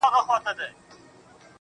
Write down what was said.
o چي مخامخ په څېر د ستورو وي رڼاوي پاشي